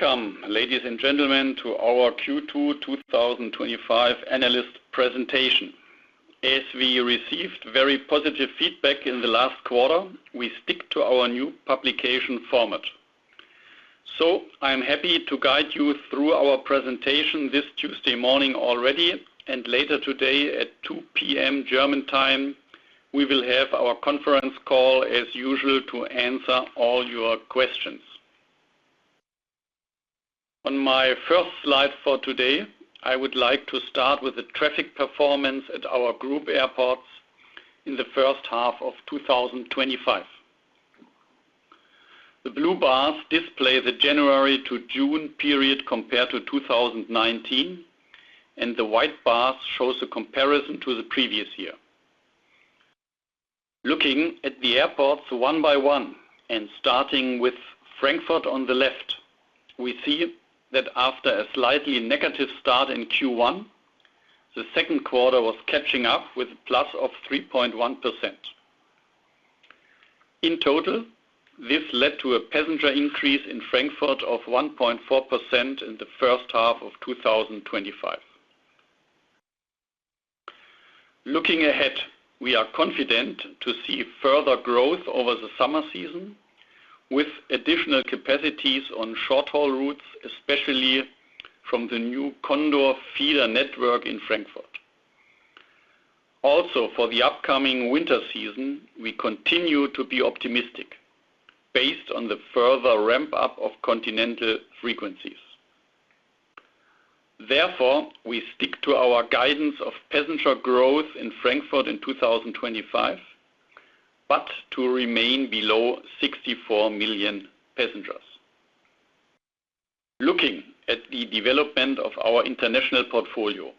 Welcome, ladies and gentlemen, to our Q2 2025 Analyst Presentation. As we received very positive feedback in the last quarter, we stick to our new publication format. I'm happy to guide you through our presentation this Tuesday morning already, and later today at 2:00 P.M. German time, we will have our conference call as usual to answer all your questions. On my first slide for today, I would like to start with the traffic performance at our group airports in the first half of 2025. The blue bars display the January to June period compared to 2019, and the white bars show the comparison to the previous year. Looking at the airports one by one, and starting with Frankfurt on the left, we see that after a slightly negative start in Q1, the second quarter was catching up with a plus of 3.1%. In total, this led to a passenger increase in Frankfurt of 1.4% in the first half of 2025. Looking ahead, we are confident to see further growth over the summer season with additional capacities on short-haul routes, especially from the new Condor feeder network in Frankfurt. Also, for the upcoming winter season, we continue to be optimistic based on the further ramp-up of continental frequencies. Therefore, we stick to our guidance of passenger growth in Frankfurt in 2025, but to remain below 64 million passengers. Looking at the development of our international portfolio,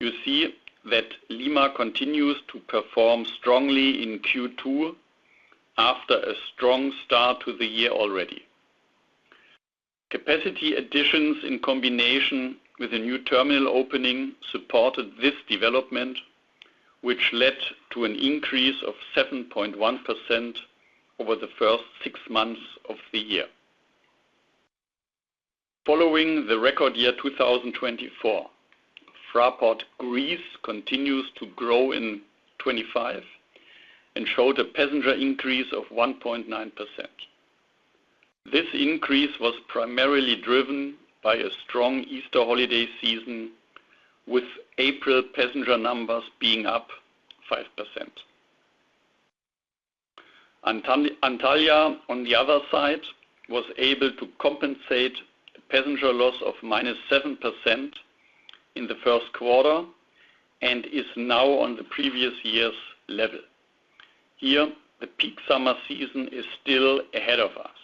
you see that Lima continues to perform strongly in Q2, after a strong start to the year already. Capacity additions in combination with a new terminal opening supported this development, which led to an increase of 7.1% over the first six months of the year. Following the record year 2024, Fraport Greece continues to grow in 2025 and showed a passenger increase of 1.9%. This increase was primarily driven by a strong Easter holiday season, with April passenger numbers being up 5%. Antalya, on the other side, was able to compensate a passenger loss of -7% in the first quarter and is now on the previous year's level. Here, the peak summer season is still ahead of us.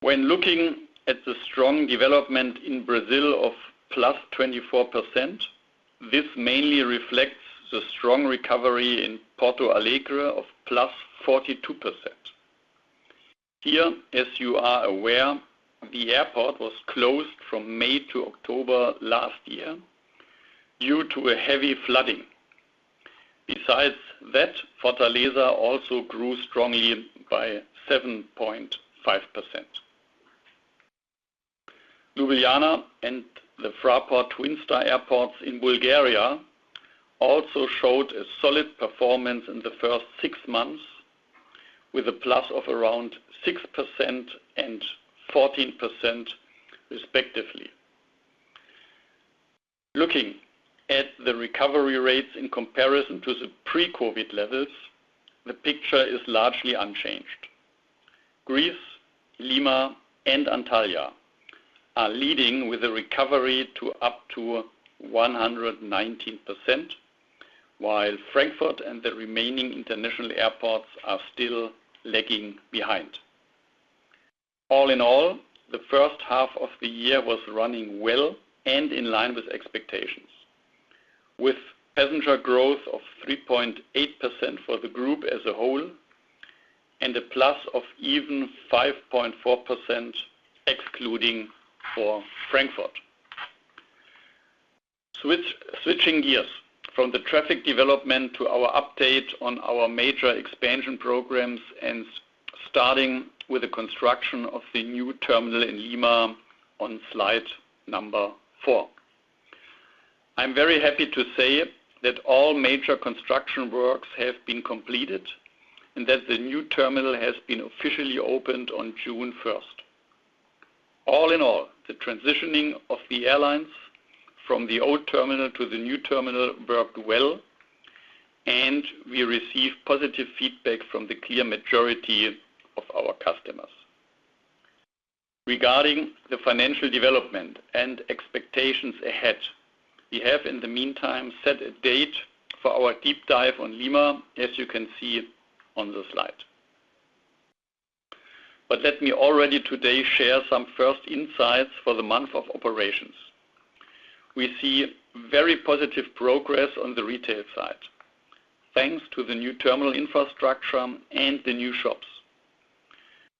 When looking at the strong development in Brazil of +24%, this mainly reflects the strong recovery in Porto Alegre of +42%. Here, as you are aware, the airport was closed from May to October last year due to heavy flooding. Besides that, Fortaleza also grew strongly by 7.5%. Ljubljana and the Fraport Twin Star airports in Bulgaria also showed a solid performance in the first six months with a plus of around 6% and 14% respectively. Looking at the recovery rates in comparison to the pre-COVID levels, the picture is largely unchanged. Greece, Lima, and Antalya are leading with a recovery to up to 119%, while Frankfurt and the remaining international airports are still lagging behind. All in all, the first half of the year was running well and in line with expectations, with passenger growth of 3.8% for the group as a whole and a plus of even 5.4% excluding for Frankfurt. Switching gears from the traffic development to our update on our major expansion programs and starting with the construction of the new terminal in Lima on slide number four. I'm very happy to say that all major construction works have been completed and that the new terminal has been officially opened on June 1st. All in all, the transitioning of the airlines from the old terminal to the new terminal worked well, and we received positive feedback from the clear majority of our customers. Regarding the financial development and expectations ahead, we have in the meantime set a date for our deep dive on Lima, as you can see on the slide. But let me already today share some first insights for the month of operations. We see very positive progress on the retail side, thanks to the new terminal infrastructure and the new shops.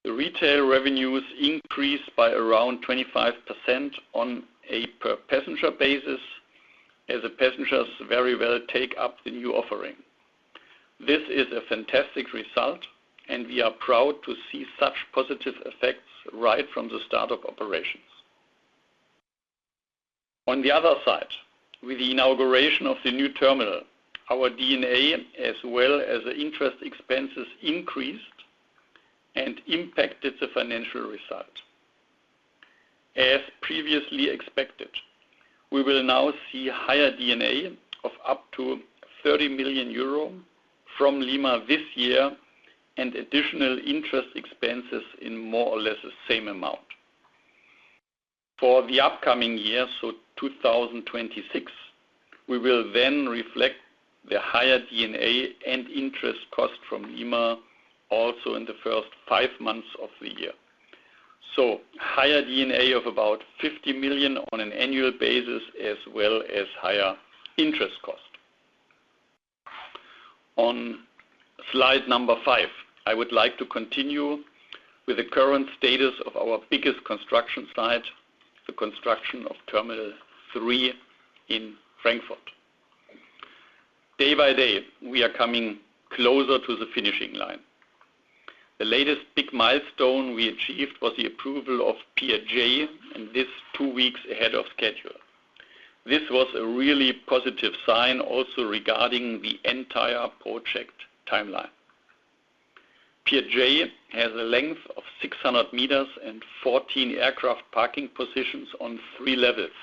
The retail revenues increased by around 25% on a per-passenger basis, as the passengers very well take up the new offering. This is a fantastic result, and we are proud to see such positive effects right from the start of operations. On the other side, with the inauguration of the new terminal, our D&A, as well as the interest expenses, increased and impacted the financial result. As previously expected, we will now see higher D&A of up to €30 million from Lima this year and additional interest expenses in more or less the same amount. For the upcoming year, so 2026, we will then reflect the higher D&A and interest cost from Lima also in the first five months of the year. So higher D&A of about €50 million on an annual basis, as well as higher interest cost. On slide number five, I would like to continue with the current status of our biggest construction site, the construction of Terminal Three in Frankfurt. Day by day, we are coming closer to the finishing line. The latest big milestone we achieved was the approval of Pier J, and it's two weeks ahead of schedule. This was a really positive sign also regarding the entire project timeline. Pier J has a length of 600m and 14 aircraft parking positions on three levels,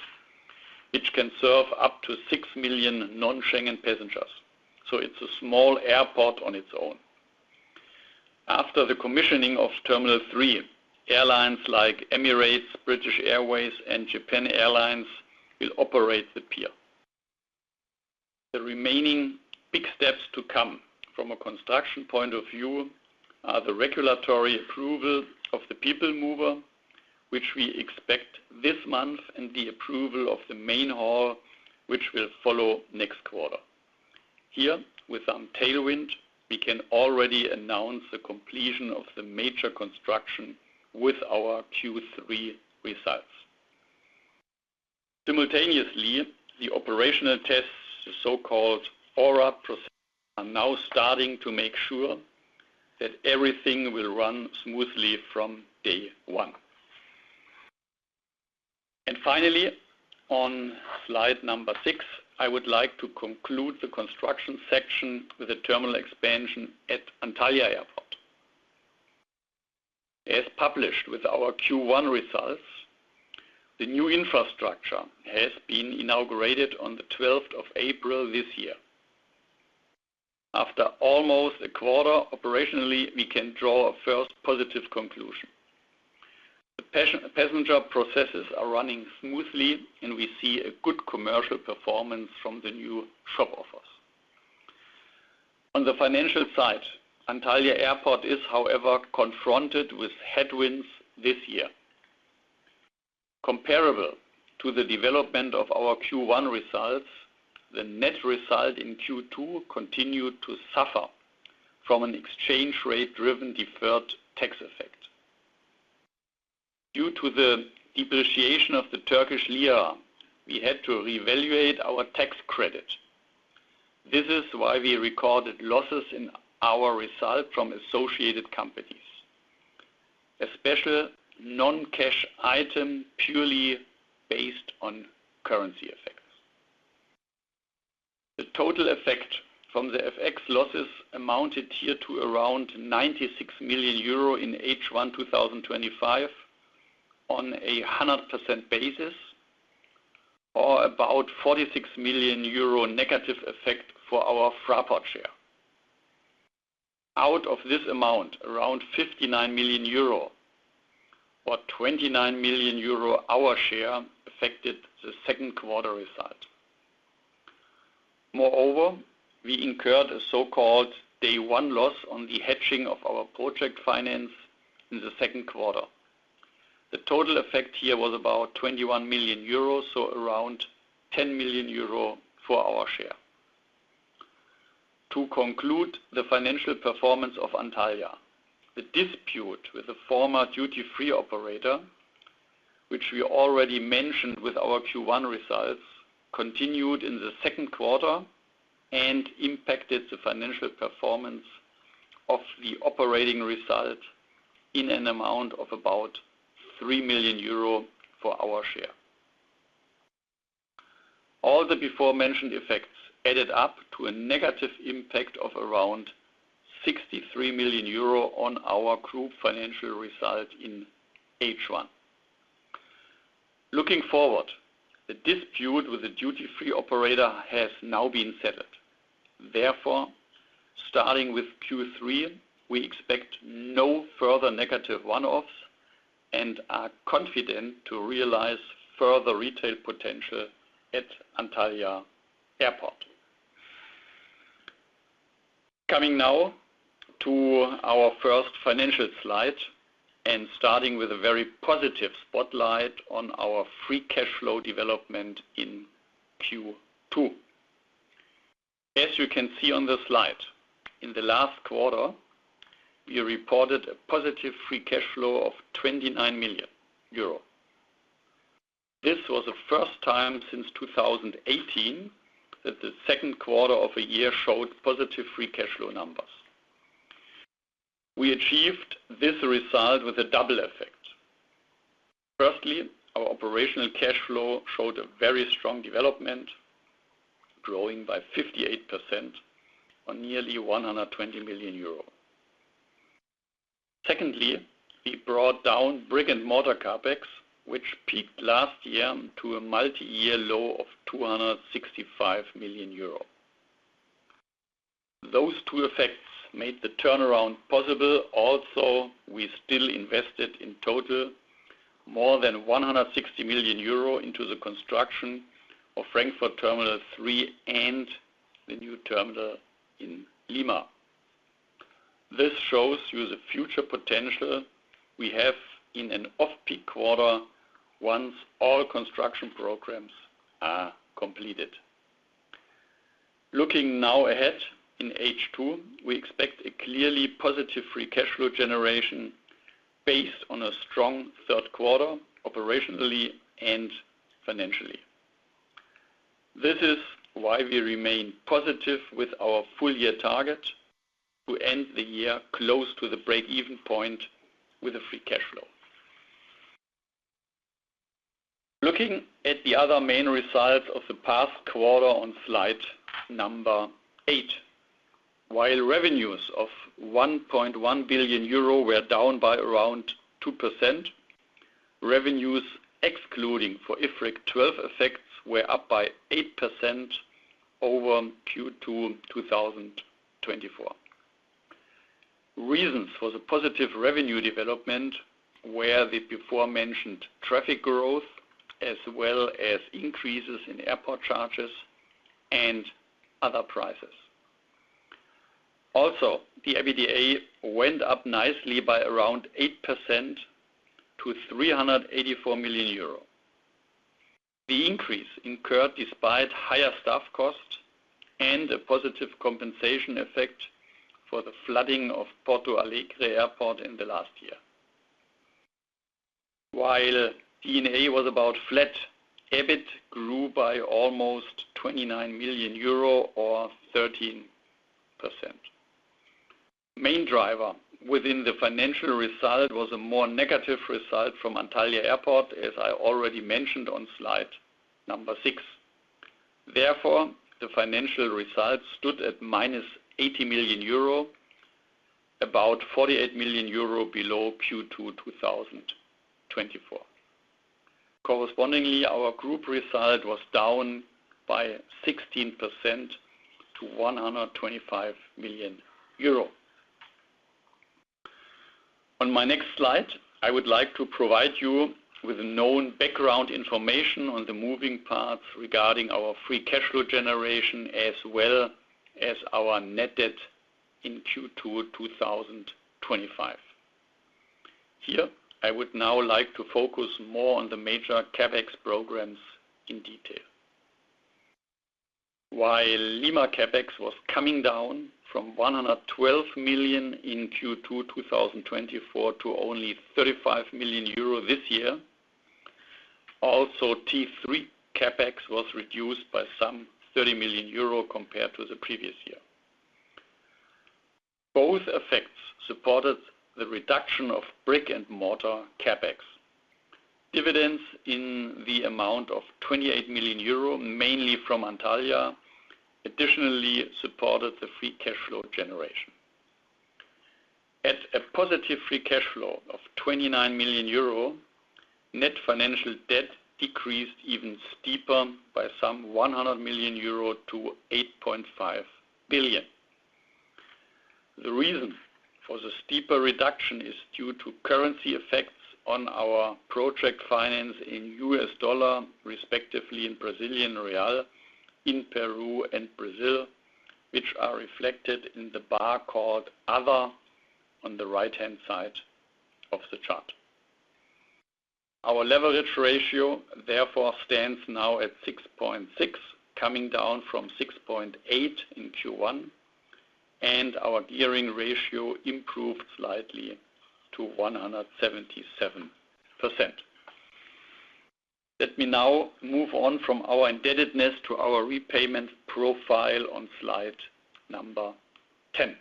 which can serve up to 6 million non-Schengen passengers. It's a small airport on its own. After the commissioning of Terminal Three, airlines like Emirates, British Airways, and Japan Airlines will operate the pier. The remaining big steps to come from a construction point of view are the regulatory approval of the people mover, which we expect this month, and the approval of the main hall, which will follow next quarter. With some tailwind, we can already announce the completion of the major construction with our Q3 results. Simultaneously, the operational tests, the so-called ORAT process, are now starting to make sure that everything will run smoothly from day one. Finally, on slide number six, I would like to conclude the construction section with the terminal expansion at Antalya Airport. As published with our Q1 results, the new infrastructure has been inaugurated on the 12th of April this year. After almost a quarter, operationally, we can draw a first positive conclusion. The passenger processes are running smoothly, and we see a good commercial performance from the new shop offers. On the financial side, Antalya Airport is, however, confronted with headwinds this year. Comparable to the development of our Q1 results, the net result in Q2 continued to suffer from an exchange rate-driven deferred tax effect. Due to the depreciation of the Turkish lira, we had to reevaluate our tax credit. This is why we recorded losses in our result from associated companies, especially non-cash items purely based on currency effects. The total effect from the FX losses amounted here to around €96 million in H1 2025 on a 100% basis, or about €46 million negative effect for our Fraport share. Out of this amount, around €59 million or €29 million our share affected the second quarter result. Moreover, we incurred a so-called day one loss on the hedging of our project finance in the second quarter. The total effect here was about €21 million, so around €10 million for our share. To conclude the financial performance of Antalya, the dispute with the former duty-free operator, which we already mentioned with our Q1 results, continued in the second quarter and impacted the financial performance of the operating result in an amount of about €3 million for our share. All the before-mentioned effects added up to a negative impact of around €63 million on our group financial result in H1. Looking forward, the dispute with the duty-free operator has now been settled. Therefore, starting with Q3, we expect no further negative one-offs and are confident to realize further retail potential at Antalya Airport. Coming now to our first financial slide and starting with a very positive spotlight on our free cash flow development in Q2. As you can see on the slide, in the last quarter, we reported a positive free cash flow of €29 million. This was the first time since 2018 that the second quarter of a year showed positive free cash flow numbers. We achieved this result with a double effect. Firstly, our operational cash flow showed a very strong development, growing by 58% on nearly €120 million. Secondly, we brought down brick-and-mortar CapEx, which peaked last year to a multi-year low of €265 million. Those two effects made the turnaround possible. Also, we still invested in total more than €160 million into the construction of Frankfurt Terminal Three and the new terminal in Lima. This shows you the future potential we have in an off-peak quarter once all construction programs are completed. Looking now ahead in H2, we expect a clearly positive free cash flow generation based on a strong third quarter operationally and financially. This is why we remain positive with our full-year target to end the year close to the break-even point with a free cash flow. Looking at the other main results of the past quarter on slide number eight, while revenues of €1.1 billion were down by around 2%, revenues excluding for IFRIC 12 effects were up by 8% over Q2 2024. Reasons for the positive revenue development were the before-mentioned traffic growth, as well as increases in airport charges and other prices. Also, the EBITDA went up nicely by around 8% to €384 million. The increase occurred despite higher staff costs and a positive compensation effect for the flooding of Porto Alegre Airport in the last year. While D&A was about flat, EBIT grew by almost €29 million or 13%. The main driver within the financial result was a more negative result from Antalya Airport, as I already mentioned on slide number six. Therefore, the financial result stood at -€80 million, about €48 million below Q2 2024. Correspondingly, our group result was down by 16%, to €125 million. On my next slide, I would like to provide you with known background information on the moving parts regarding our free cash flow generation, as well as our net debt in Q2 2025. Here, I would now like to focus more on the major CapEx programs in detail. While Lima CapEx was coming down from €112 million in Q2 2024 to only €35 million this year, also T3 CapEx was reduced by some €30 million compared to the previous year. Both effects supported the reduction of brick-and-mortar CapEx. Dividends in the amount of €28 million, mainly from Antalya, additionally supported the free cash flow generation. At a positive free cash flow of €29 million, net financial debt decreased even steeper by some €100 million to €8.5 billion. The reason for the steeper reduction is due to currency effects on our project finance in U.S. dollar, respectively in Brazilian riyal, in Peru, and Brazil, which are reflected in the bar called Other on the right-hand side of the chart. Our leverage ratio therefore stands now at 6.6, coming down from 6.8 in Q1, and our gearing ratio improved slightly to 177%. Let me now move on from our indebtedness to our repayment profile on slide number 10.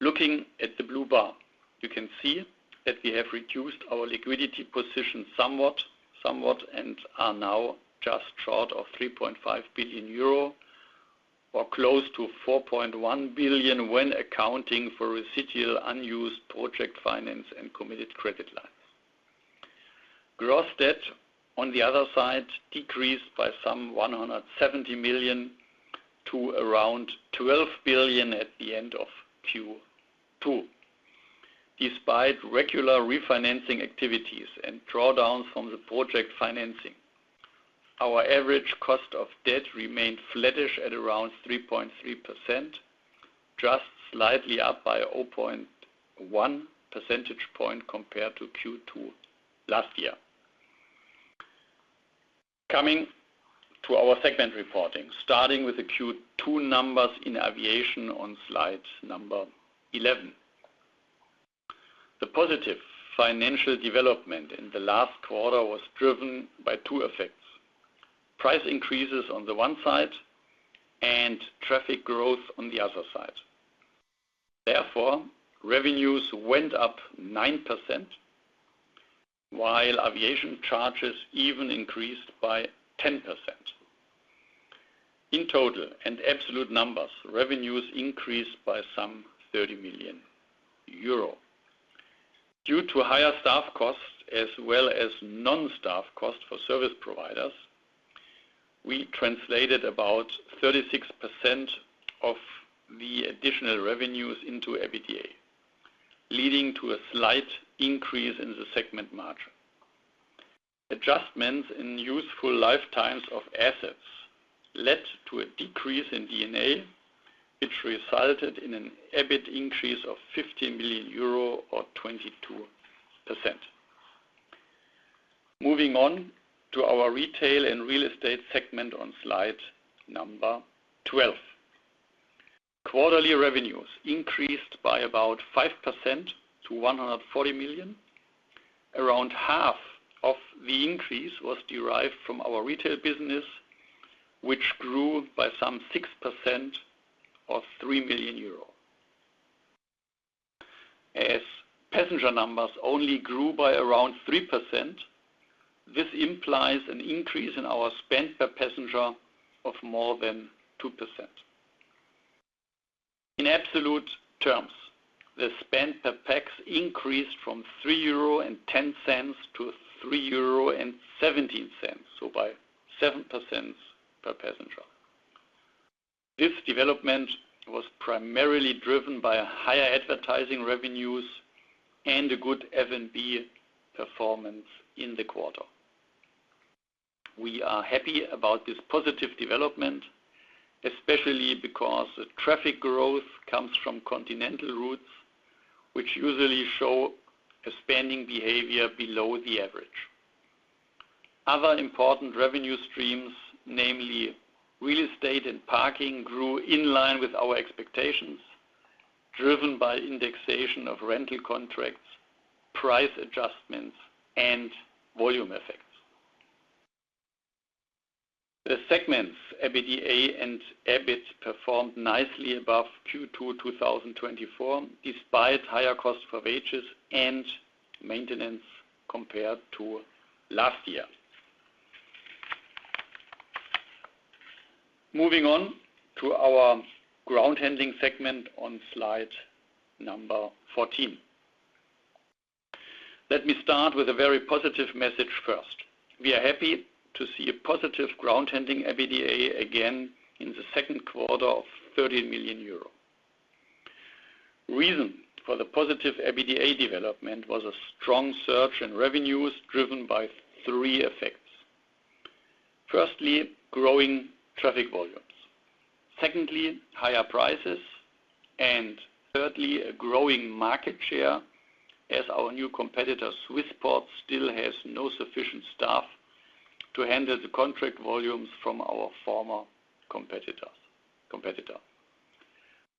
Looking at the blue bar, you can see that we have reduced our liquidity position somewhat, and are now just short of €3.5 billion or close to €4.1 billion when accounting for residual unused project finance and committed credit lines. Gross debt, on the other side, decreased by some €170 million to around €12 billion at the end of Q2. Despite regular refinancing activities and drawdowns from the project financing, our average cost of debt remained flattish at around 3.3%, just slightly up by 0.1 percentage point compared to Q2 last year. Coming to our segment reporting, starting with the Q2 numbers in aviation on slide number 11. The positive financial development in the last quarter was driven by two effects: price increases on the one side and traffic growth on the other side. Therefore, revenues went up 9%, while aviation charges even increased by 10%. In total and absolute numbers, revenues increased by some €30 million. Due to higher staff costs, as well as non-staff costs for service providers, we translated about 36% of the additional revenues into EBITDA, leading to a slight increase in the segment margin. Adjustments in useful lifetimes of assets led to a decrease in D&A, which resulted in an EBIT increase of €50 million or 22%. Moving on to our retail and real estate segment on slide number 12. Quarterly revenues increased by about 5% to €140 million. Around half of the increase was derived from our retail business, which grew by some 6% or €3 million. As passenger numbers only grew by around 3%, this implies an increase in our spend per passenger of more than 2%. In absolute terms, the spend per passenger increased from €3.10-€3.17, so by 7% per passenger. This development was primarily driven by higher advertising revenues and a good F&B performance in the quarter. We are happy about this positive development, especially because the traffic growth comes from continental routes, which usually show a spending behavior below the average. Other important revenue streams, namely real estate and parking, grew in line with our expectations, driven by indexation of rental contracts, price adjustments, and volume effects. The segment's EBITDA and EBIT performed nicely above Q2 2024, despite higher costs for wages and maintenance compared to last year. Moving on to our ground handling segment on slide number 14. Let me start with a very positive message first. We are happy to see a positive ground handling EBITDA again in the second quarter of €30 million. The reason for the positive EBITDA development was a strong surge in revenues driven by three effects. Firstly, growing traffic volumes. Secondly, higher prices. Thirdly, a growing market share, as our new competitor, Swissport, still has no sufficient staff to handle the contract volumes from our former competitor.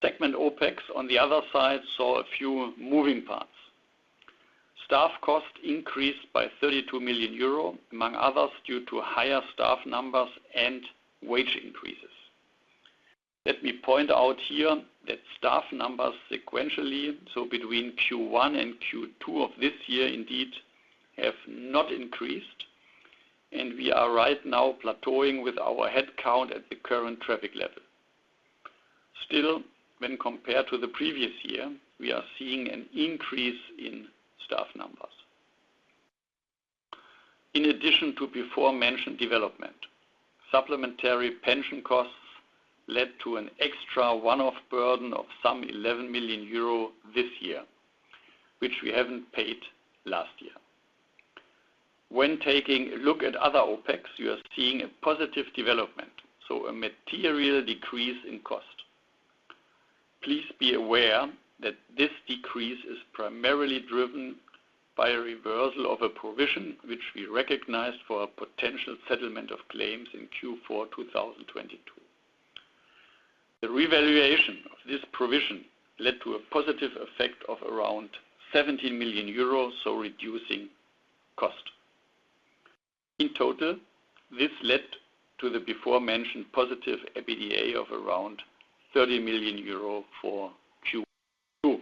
Segment OpEx, on the other side, saw a few moving parts. Staff costs increased by €32 million, among others due to higher staff numbers and wage increases. Let me point out here that staff numbers sequentially, so between Q1 and Q2 of this year, indeed, have not increased, and we are right now plateauing with our headcount at the current traffic level. Still, when compared to the previous year, we are seeing an increase in staff numbers. In addition to the before-mentioned development, supplementary pension costs led to an extra one-off burden of about €11 million this year, which we haven't paid last year. When taking a look at other OpEx, you are seeing a positive development, so a material decrease in cost. Please be aware that this decrease is primarily driven by a reversal of a provision which we recognized for a potential settlement of claims in Q4 2022. The revaluation of this provision led to a positive effect of around €17 million, so reducing cost. In total, this led to the before-mentioned positive EBITDA of around €30 million for Q2.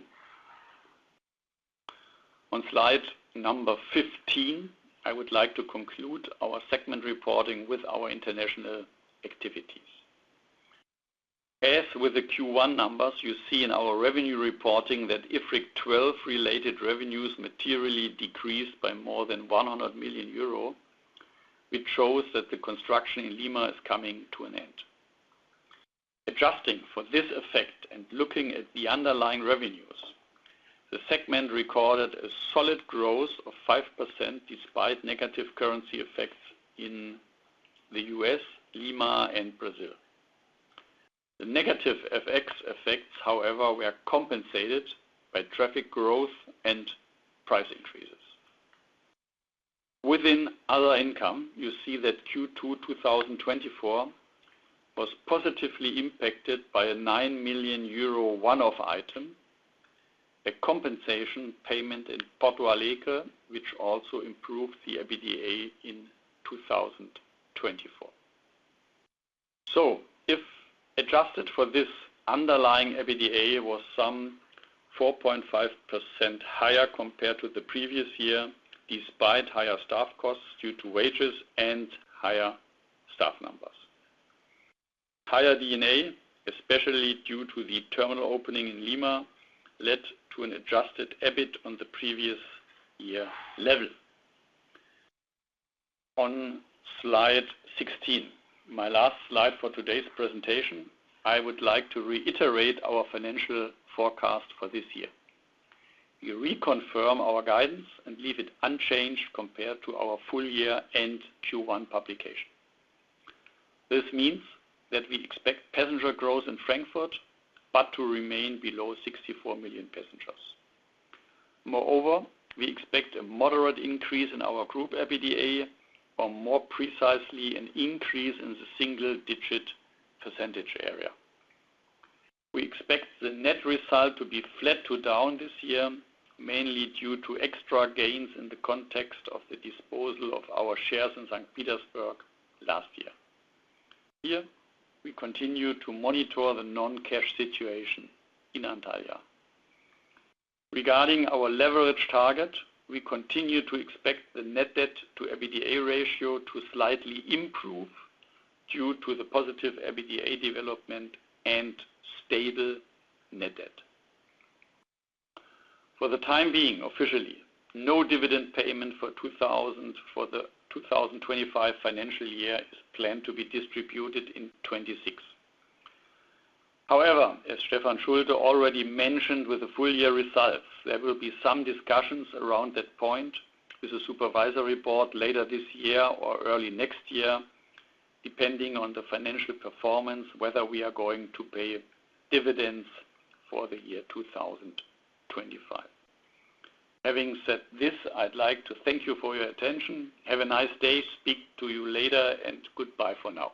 On slide number 15, I would like to conclude our segment reporting with our international activities. As with the Q1 numbers, you see in our revenue reporting that IFRIC 12-related revenues materially decreased by more than €100 million, which shows that the construction in Lima is coming to an end. Adjusting for this effect and looking at the underlying revenues, the segment recorded a solid growth of 5% despite negative currency effects in the U.S., Lima, and Brazil. The negative FX effects, however, were compensated by traffic growth and price increases. Within other income, you see that Q2 2024 was positively impacted by a €9 million one-off item, a compensation payment in Porto Alegre, which also improved the EBITDA in 2024. If adjusted for this, underlying EBITDA was about 4.5% higher compared to the previous year, despite higher staff costs due to wages and higher staff numbers. Higher D&A, especially due to the terminal opening in Lima, led to an adjusted EBIT on the previous year level. On slide 16, my last slide for today's presentation, I would like to reiterate our financial forecast for this year. We reconfirm our guidance and leave it unchanged compared to our full-year and Q1 publication. This means that we expect passenger growth in Frankfurt, but to remain below 64 million passengers. Moreover, we expect a moderate increase in our group EBITDA, or more precisely an increase in the single-digit percentage area. We expect the net result to be flat to down this year, mainly due to extra gains in the context of the disposal of our shares in St. Petersburg last year. Here, we continue to monitor the non-cash situation in Antalya. Regarding our leverage target, we continue to expect the net debt to EBITDA ratio to slightly improve due to the positive EBITDA development and stable net debt. For the time being, officially, no dividend payment for the 2025 financial year is planned to be distributed in 2026. However, as Stefan Schulte already mentioned with the full-year results, there will be some discussions around that point with the Supervisory Board later this year or early next year, depending on the financial performance, whether we are going to pay dividends for the year 2025. Having said this, I'd like to thank you for your attention. Have a nice day. Speak to you later, and goodbye for now.